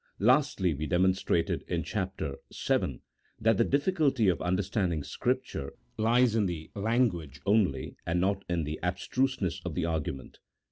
Lastly, we demonstrated in Chap. Vil. that the difficulty of understanding Scripture lies in the language only, and not in the abstruseness of the argument.